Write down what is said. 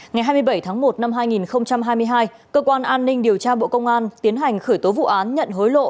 ngày hai mươi bảy tháng một năm hai nghìn hai mươi hai cơ quan an ninh điều tra bộ công an tiến hành khởi tố vụ án nhận hối lộ